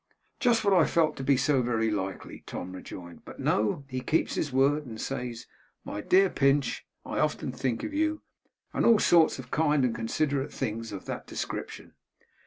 'Just what I felt to be so very likely,' Tom rejoined; 'but no, he keeps his word, and says, "My dear Pinch, I often think of you," and all sorts of kind and considerate things of that description.